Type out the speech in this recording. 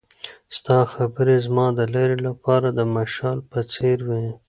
ستا خبرې زما د لارې لپاره د مشال په څېر وې.